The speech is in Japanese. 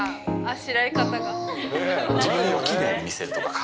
あしらい方が。